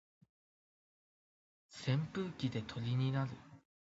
扇風機で鳥になる